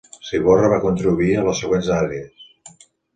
Ciborra va contribuir a les següents àrees.